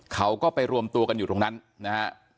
เขาก็ไปรวมตัวกันอยู่ตรงนั้นนะฮะ